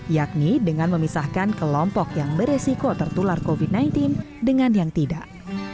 yakni dengan memisahkan kelompok yang beresiko tertular covid sembilan belas dengan yang tidak